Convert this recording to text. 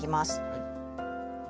はい。